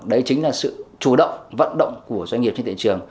đấy chính là sự chủ động vận động của doanh nghiệp trên thị trường